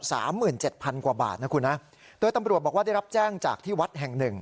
สามหมื่นเจ็ดพันกว่าบาทนะคุณฮะโดยตำรวจบอกว่าได้รับแจ้งจากที่วัดแห่งหนึ่ง